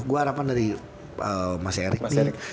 gua harapan dari mas erik nih